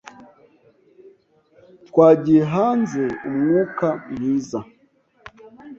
Twagiye hanze umwuka mwiza.